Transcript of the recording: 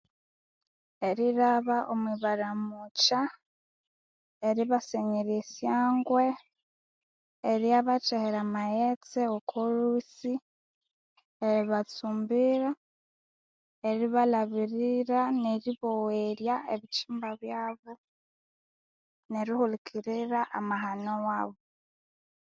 Erilhaba omwibaramukya eribasenyera esyongwe eriyabathehera amaghetse oko lhusi eribatsumbira eribalabirira neribogherya ebikyimba byabo neribahulikirira amahano wabo